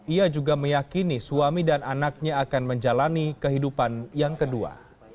ia juga meyakini suami dan anaknya akan menjalani kehidupan yang kedua